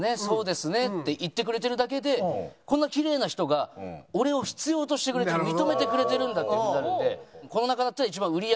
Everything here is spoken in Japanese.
そうですね」って言ってくれてるだけでこんなきれいな人が俺を必要としてくれてる認めてくれてるんだっていうふうになるんでえーっ！